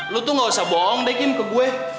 lu tuh gak usah bohong deh kim ke gue